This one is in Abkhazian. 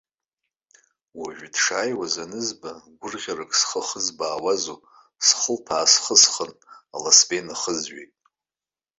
Уажәы дшааиуаз анызба, гәырӷьарак схы ахызбаауазу, схылԥа аасхысхын, аласба инахызҩеит.